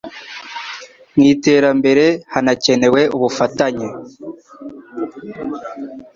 Mu iterambere hanakenewe ubufatanye